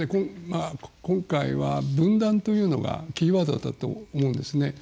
今回は、分断というのがキーワードだったと思うんですね。